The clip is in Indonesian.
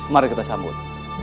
mari kita sambut